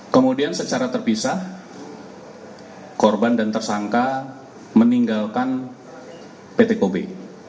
kemudian secara terpisah korban dan tersangka meninggalkan pt kobe